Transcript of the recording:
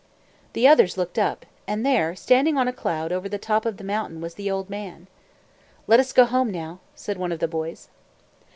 The others looked up, and there, standing on a cloud over the top of the mountain, was the old man. "Let us go home now," said one of the boys.